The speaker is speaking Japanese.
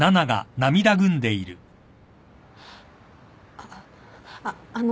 ああっあの。